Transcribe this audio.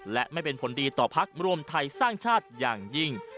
และไม่เป็นผลดีต่อพักรวมไทยสร้างชาติอย่างยิ่ง